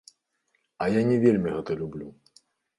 А я не вельмі гэта люблю.